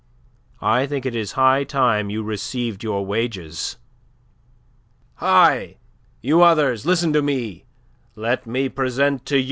I think it is high time you received your wages. Hi! You others, listen to me! Let me present you to..."